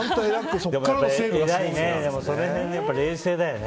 その辺、冷静だよね。